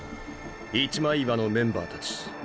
一枚岩のメンバーたち。